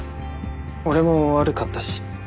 俺も悪かったし。